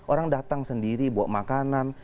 orang datang sendiri buat makanan